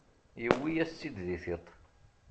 Yewwi-yas-tt-id di tiṭ.